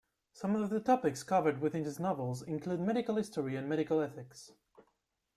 Some of the topics covered within his novels include medical history and medical ethics.